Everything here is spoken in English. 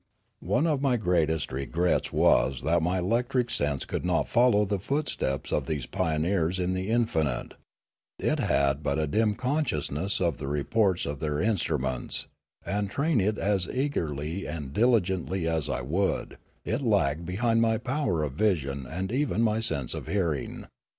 One of my greatest regrets was that my electric sense could not follow the footsteps of these pioneers in the infinite; it had but a dim consciousness of the reports of their instruments, and train it as eagerly and dili 258 Limanora gently as I would, it lagged behind my power of vision and even my sense of hearing.